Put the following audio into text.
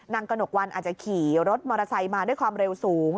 กระหนกวันอาจจะขี่รถมอเตอร์ไซค์มาด้วยความเร็วสูง